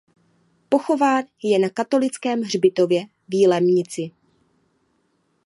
Pochován je na katolickém hřbitově v Jilemnici.